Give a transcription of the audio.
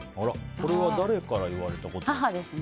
これは誰から言われたことですか？